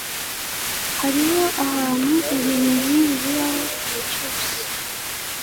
hariho ahantu ibintu nkibi bibaho igihe cyose